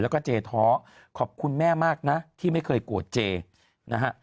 แล้วก็เจท้อขอบคุณแม่มากนะที่ไม่เคยโกรธเจนะฮะ